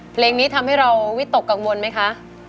เพลงนี้ทำให้เราวิตกกังวลไหมคะ